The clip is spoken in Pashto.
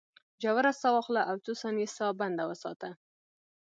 ژوره ساه واخله او څو ثانیې ساه بنده وساته.